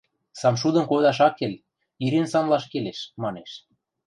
– Самшудым кодаш ак кел, ирен самлаш келеш, – манеш.